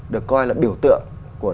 được coi là biểu tượng của